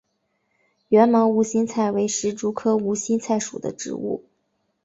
缘毛无心菜为石竹科无心菜属的植物。